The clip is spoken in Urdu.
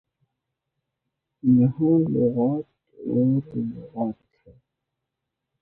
یہاں لغات اور لغات ہے۔